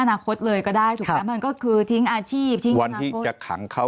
อนาคตเลยก็ได้มันก็คือทิ้งอาชีพวันที่จะขังเขา